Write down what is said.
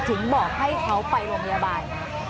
เพราะว่าให้เขาไปโรงพยาบาล